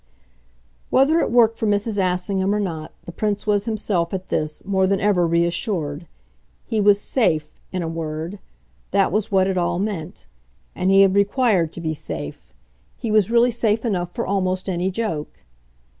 Whether it worked for Mrs. Assingham or not, the Prince was himself, at this, more than ever reassured. He was SAFE, in a word that was what it all meant; and he had required to be safe. He was really safe enough for almost any joke.